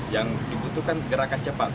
yang dibutuhkan gerakan cepat